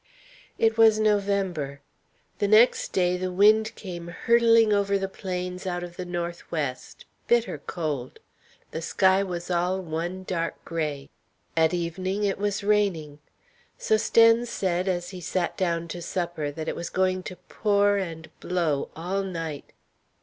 It was November. The next day the wind came hurtling over the plains out of the north west, bitter cold. The sky was all one dark gray. At evening it was raining. Sosthène said, as he sat down to supper, that it was going to pour and blow all night.